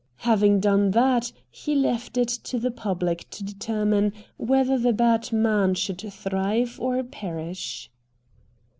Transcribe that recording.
Having done that, he left it to the public to determine whether the bad man should thrive or perish.